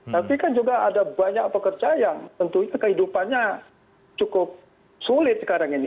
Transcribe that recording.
tapi kan juga ada banyak pekerja yang tentunya kehidupannya cukup sulit sekarang ini